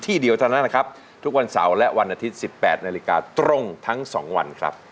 เดียวเท่านั้นนะครับทุกวันเสาร์และวันอาทิตย์๑๘นาฬิกาตรงทั้ง๒วันครับ